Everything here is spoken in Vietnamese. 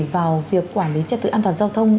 vào việc quản lý trật tự an toàn giao thông